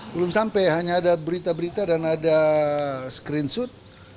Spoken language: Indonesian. belum sampai hanya ada berita berita dan ada screenshot